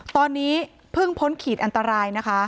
ตอนนี้เพิ่งพ้นขีดอันตรายนะคะ